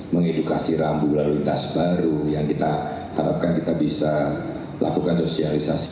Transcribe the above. mengedukasi rambu lalu lintas baru yang kita harapkan kita bisa lakukan sosialisasi